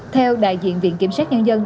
theo đại diện viện kiểm sát nhân dân